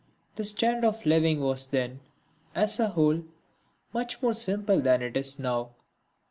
The standard of living was then, as a whole, much more simple than it is now.